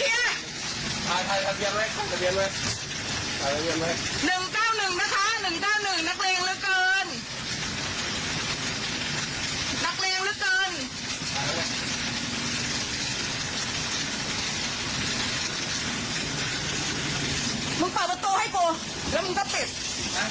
ค่อยมาเลยค่ะค่อยมาเลยเดี๋ยวมากันมาเทียร์